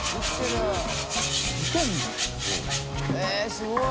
すごい。